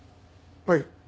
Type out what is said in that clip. はい。